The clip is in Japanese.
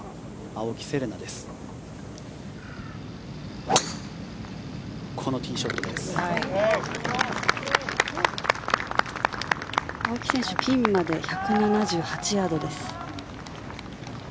青木選手ピンまで１７８ヤードです。